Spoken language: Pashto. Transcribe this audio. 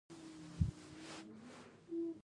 هغوی له خپلې کورنۍ سره خوشحاله دي